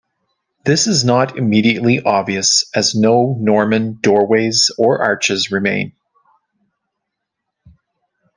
This is not immediately obvious as no Norman doorways or arches remain.